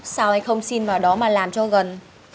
sau anh không xin vào đó mà làm cho gần